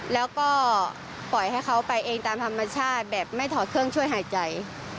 แล้วก็ปล่อยให้เขาไปเองตามธรรมชาติแบบไม่ถอดเครื่องช่วยหายใจ